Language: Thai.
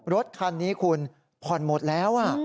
รถคันนี้คุณผ่อนหมดแล้ว